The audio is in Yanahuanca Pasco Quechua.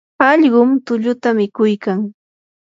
allqum tulluta mikuykan.